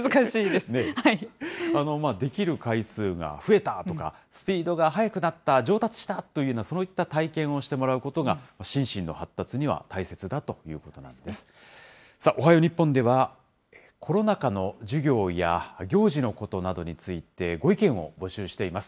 できる回数が増えたとか、スピードが速くなった、上達したというような、そういった体験をしてもらうことが、心身の発達には大切だということなんです。